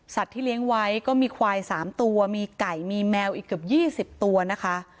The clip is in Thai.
ที่เลี้ยงไว้ก็มีควาย๓ตัวมีไก่มีแมวอีกเกือบ๒๐ตัวนะคะ